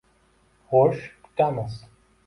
Xo'sh, kutamiz.